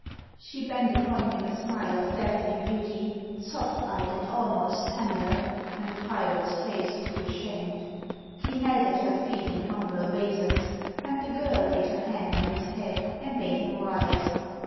She bent upon him a smile of dazzling beauty, soft eyed and almost tender, and the pirate's face grew ashamed; he knelt at her feet in humble obeisance, and the girl laid her hand on his head, and bade him rise.